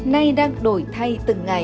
nay đang đổi thay từng ngày